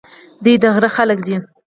دوی د غره خلک دي.